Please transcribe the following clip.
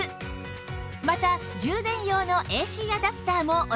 また充電用の ＡＣ アダプターもおつけします